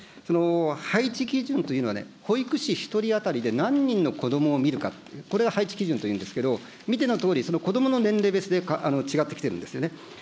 配置基準というのはね、保育士１人当たりで何人の子どもを見るかって、これを配置基準というんですけど、見てのとおり、子どもの年齢別で違ってきてるんですよね。